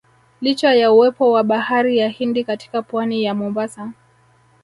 Licha ya uwepo wa bahari ya Hindi katika Pwani ya Mombasa